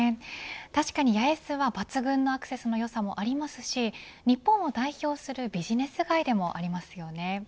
確かに八重洲は、抜群のアクセスの良さがありますし日本を代表するビジネス街でもありますよね。